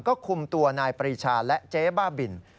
ก็คุมตัวนายปรีชาและเจ๊บ้าบิน